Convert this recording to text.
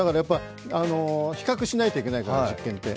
比較しないといけないから、実験って。